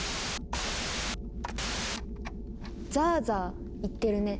ザーザーいってるね。